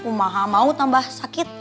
umaha mau tambah sakit